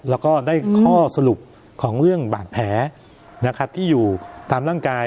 แล้วก็ได้ข้อสรุปของเรื่องบาดแผลนะครับที่อยู่ตามร่างกาย